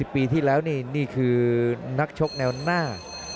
ปีที่แล้วนี่คือนักชกแนวหน้า